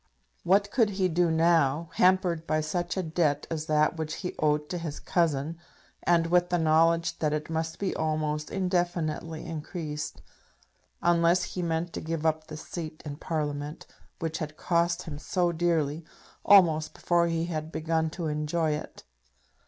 What could he do now, hampered by such a debt as that which he owed to his cousin, and with the knowledge that it must be almost indefinitely increased, unless he meant to give up this seat in Parliament, which had cost him so dearly, almost before he had begun to enjoy it?